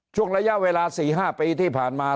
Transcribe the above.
ช่วงระยะเวลา๔๕ปีที่ผ่านมา